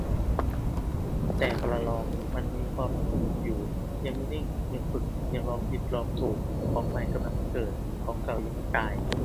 แต่ ประลอง มันมีความไม่สงบอยู่ ยังไม่นิ่ง ยังฝึก ยังลองผิดลองถูก ของใหม่กำลังจะเกิด ของเก่ายังไม่ตาย